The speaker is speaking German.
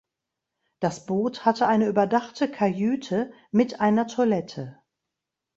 Das Boot hatte ein überdachte Kajüte mit einer Toilette.